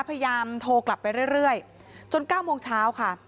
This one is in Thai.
พยายามโทรกลับไปเรื่อยจน๙โมงเช้าค่ะ